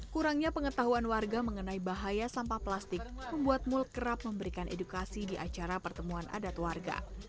kurangnya pengetahuan warga mengenai bahaya sampah plastik membuat mul kerap memberikan edukasi di acara pertemuan adat warga